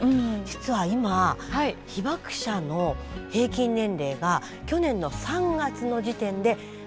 実は今被爆者の平均年齢が去年の３月の時点でおよそ８５歳。